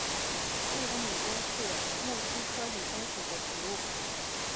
日本女贞是木犀科女贞属的植物。